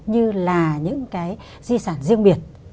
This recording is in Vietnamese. như là những cái di sản riêng biệt